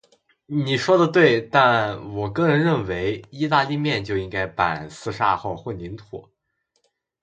你说得对，但我个人认为，意大利面就应该拌四十二号混凝土。